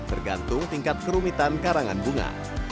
tergantung tingkat kerumitan karangan bunga